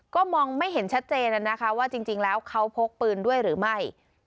ก็มองไม่เห็นชัดเจนนะคะว่าจริงแล้วเขาพกปืนด้วยหรือไม่